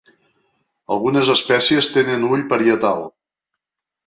Algunes espècies tenen ull parietal.